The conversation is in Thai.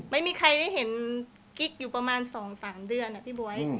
ไม่มีใครได้เห็นกิ๊กอยู่ประมาณ๒๓เดือนพี่บ๊วย